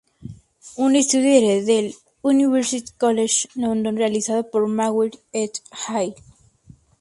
Un estudio del University College London realizado por Maguire, "et alii".